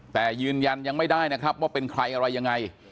แต่ยืนยันยังไม่ได้นะครับว่าเป็นใครอะไรยังไง